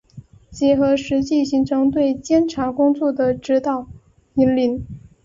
结合实际形成对检察工作的指导、引领